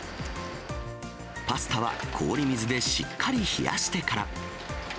パスタは氷水でしっかり冷やしてから。